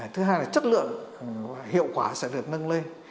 thứ hai là chất lượng hiệu quả sẽ được nâng lên